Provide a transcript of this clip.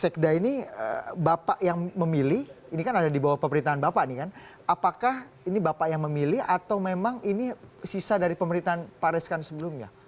sekda ini bapak yang memilih ini kan ada di bawah pemerintahan bapak nih kan apakah ini bapak yang memilih atau memang ini sisa dari pemerintahan pak reskan sebelumnya